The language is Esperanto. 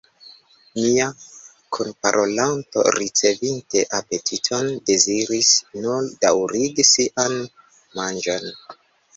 Mia kunparolanto, ricevinte apetiton, deziris nur daŭrigi sian manĝon.